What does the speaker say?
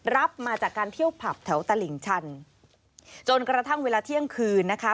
รับมาจากการเที่ยวผับแถวตลิ่งชันจนกระทั่งเวลาเที่ยงคืนนะคะ